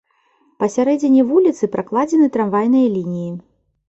Па сярэдзіне вуліцы пракладзены трамвайныя лініі.